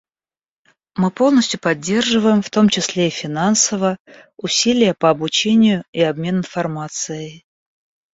Мы полностью поддерживаем, в том числе и финансово, усилия по обучению и обмен информацией.